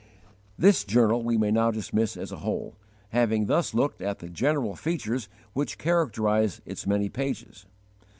This journal we may now dismiss as a whole, having thus looked at the general features which characterize its many pages.